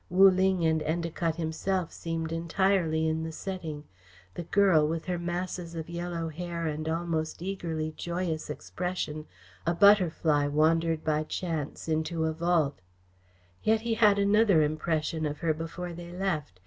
Wu Ling and Endacott himself seemed entirely in the setting; the girl, with her masses of yellow hair and almost eagerly joyous expression, a butterfly wandered by chance into a vault. Yet he had another impression of her before they left.